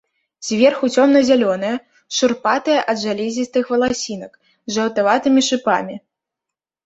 Зверху цёмна-зялёнае, шурпатае ад жалезістых валасінак, з жаўтаватымі шыпамі.